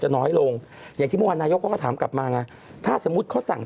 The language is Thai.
น้อยลงอย่างที่เมื่อวานนายกก็มาถามกลับมาไงถ้าสมมุติเขาสั่ง